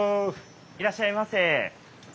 いらっしゃいませ。